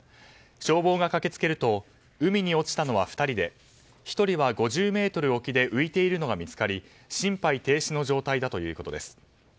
消防が駆けつけると海に落ちたのは２人で１人は５０ｍ沖で浮いているのが見つかり心肺停止の状態だということです。